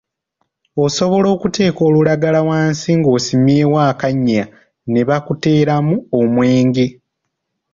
Osobola okuteeka olulagala wansi ng’osimyewo akannya ne bakuteeramu omwenge.